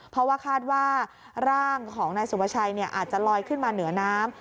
เพราะว่าคาดว่าร่างของนายสุภาชัยอาจจะลอยขึ้นมาเหนือน้ำ